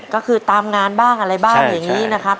ก็คือตามงานบ้างอะไรบ้างอย่างนี้นะครับ